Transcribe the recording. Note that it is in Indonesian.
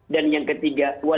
dan yang ketiga